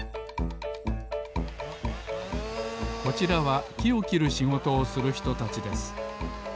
こちらはきをきるしごとをするひとたちです。